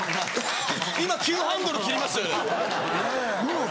今急ハンドル切りましたよね。